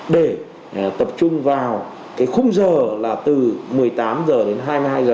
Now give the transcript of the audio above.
để tập trung vào cái khung giờ là từ một mươi tám h đến hai mươi hai h